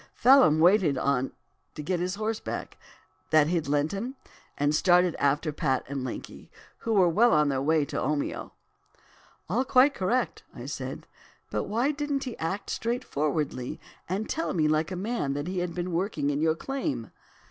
Phelim waited on to get his horse back that he'd lent him, and start after Pat and Lanky, who were well on their way to Omeo.' "'All quite correct,' I said; 'but why didn't he act straightforwardly and tell me like a man that he had been working in your claim?